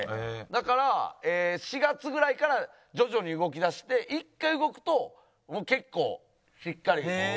だから４月ぐらいから徐々に動き出して一回動くと結構しっかり動くという。